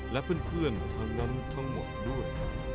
และเพื่อนทั้งนั้นทั้งหมดด้วย